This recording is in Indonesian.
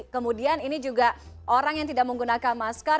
kemudian ini juga orang yang tidak menggunakan masker